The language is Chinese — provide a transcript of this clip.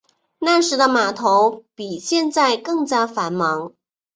那时的码头比现在更加繁忙。